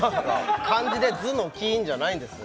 漢字で「頭」のキーンじゃないんですよ